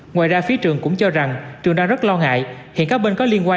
ngoài ra phía trường cũng cho rằng trường đang rất lo ngại hiện các bên có liên quan